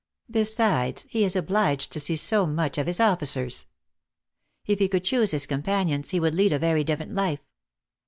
Besides, he is obliged to see so much of his officers. If he could choose his companions, he would lead a very different life.